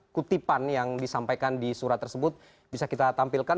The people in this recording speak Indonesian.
kutipan yang disampaikan di surat tersebut bisa kita tampilkan